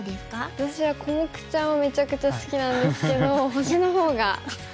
私はコモクちゃんはめちゃくちゃ好きなんですけど星のほうが好きで。